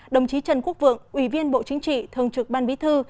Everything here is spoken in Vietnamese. đồng chí trần quốc vượng ủy viên bộ chính trị thường trực ban bí thư